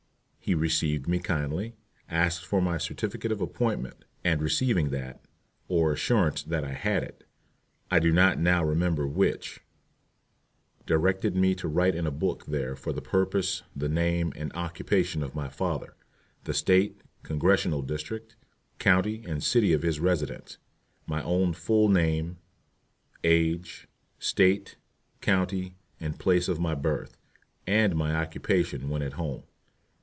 He received me kindly, asked for my certificate of appointment, and receiving that or assurance that I had it: I do not now remember which directed me to write in a book there for the purpose the name and occupation of my father, the State, Congressional district, county and city of his residence, my own full name, age, State, county, and place of my birth, and my occupation when at home.